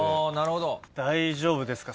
大丈夫ですか？